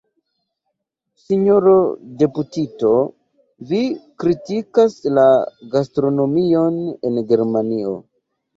Sinjoro deputito, vi kritikas la gastronomion en Germanio.